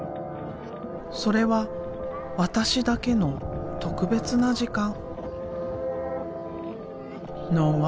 それは私だけの特別な時間。